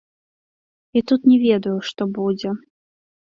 І тут не ведаю, што будзе.